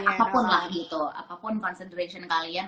apapun lah gitu apapun consenderation kalian